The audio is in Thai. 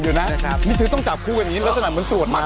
อยู่นะนี่ถ้าต้องจับคู่กันอย่างนี้ลักษณะเหมือนตรวจมาก